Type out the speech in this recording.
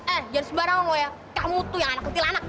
eh jangan sembarangan loh ya kamu tuh yang anak kecil anak